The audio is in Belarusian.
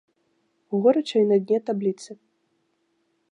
Горача і на дне табліцы.